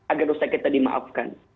agar dosa kita dimaafkan